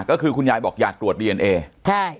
ก็คือคุณยายบอกอยากตรวจดีเอนเอใช่